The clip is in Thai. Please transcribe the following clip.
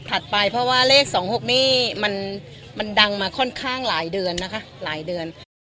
ไปเพราะว่าเลข๒๖นี่มันดังมาค่อนข้างหลายเดือนนะคะหลายเดือน